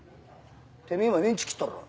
てめぇ今メンチ切ったろ。